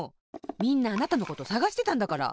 みんなあなたのことさがしてたんだから。